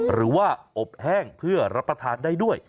หรือว่าอบแห้งเพื่อรับประทานได้ด้วย